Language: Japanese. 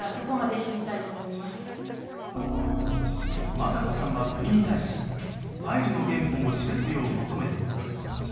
雅子さんは国に対しファイルの原本を示すよう求めています。